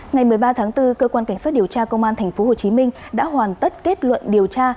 ngày một mươi ba tháng bốn cơ quan cảnh sát điều tra công an tp hcm đã hoàn tất kết luận điều tra